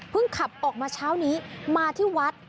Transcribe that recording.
ขับออกมาเช้านี้มาที่วัด